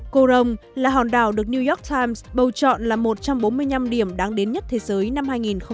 corom là hòn đảo được new york times bầu chọn là một trăm bốn mươi năm điểm đáng đến nhất thế giới năm hai nghìn một mươi hai